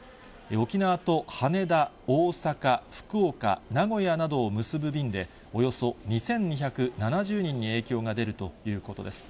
沖縄と羽田、大阪、福岡、名古屋などを結ぶ便で、およそ２２７０人に影響が出るということです。